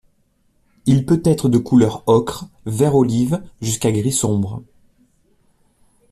Il peut être de couleur ocre, vert-olive jusqu'à gris sombre.